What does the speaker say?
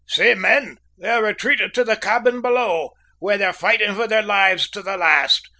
"See, men, they've retreated to the cabin below, where they're fighting for their lives to the last.